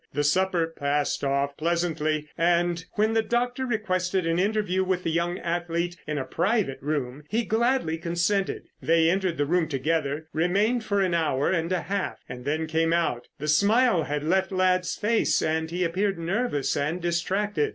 The supper passed off pleasantly, and when the doctor requested an interview with the young athlete in a private room, he gladly consented. They entered the room together, remained for an hour and a half, and then came out. The smile had left Ladd's face and he appeared nervous and distracted.